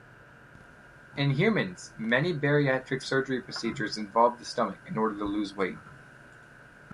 In humans, many bariatric surgery procedures involve the stomach, in order to lose weight.